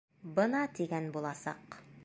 Бына тигән буласаҡ.